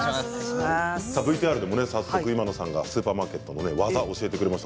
ＶＴＲでも江上さん今野さんにスーパーマーケットの技を教えていただきました。